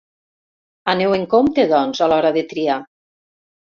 Aneu en compte, doncs, a l'hora de triar.